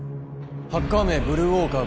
ハッカー名ブルーウォーカー